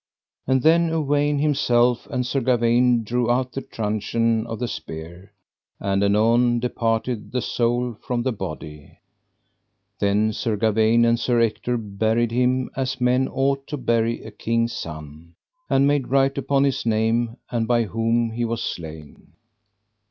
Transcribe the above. And then Uwaine himself and Sir Gawaine drew out the truncheon of the spear, and anon departed the soul from the body. Then Sir Gawaine and Sir Ector buried him as men ought to bury a king's son, and made write upon his name, and by whom he was slain.